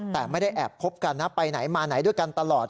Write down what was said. แต่ไม่ได้แอบคบกันนะไปไหนมาไหนด้วยกันตลอด